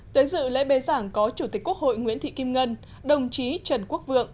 tới dự lễ bế giảng có chủ tịch quốc hội nguyễn thị kim ngân đồng chí trần quốc vượng